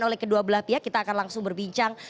oleh kedua belah pihak kita akan langsung berbincang